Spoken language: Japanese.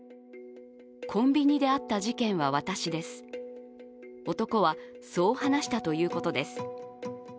コンビニであった事件は私です、男はそう話したということです。